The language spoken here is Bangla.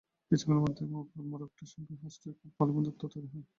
কিছুক্ষণের মধ্যেই মোরগটির সঙ্গে হাঁসটির খুব ভালো বন্ধুত্ব তৈরি হয়।